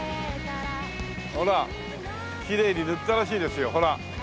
ほらきれいに塗ったらしいですよ。